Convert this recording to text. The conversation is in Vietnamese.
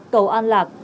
cầu an lạc